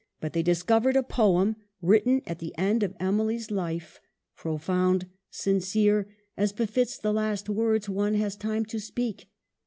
But they discovered a poem, written at the end of Emily's life, profound, sincere, as befits the last words one has time to speak.